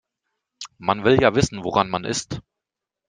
Man will ja wissen woran man ist.